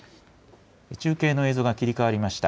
中継の映像が切り替わりました。